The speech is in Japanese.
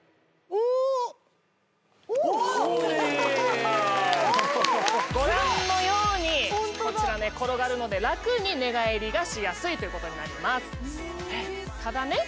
おっおいご覧のようにこちらね転がるので楽に寝返りがしやすいということになりますただね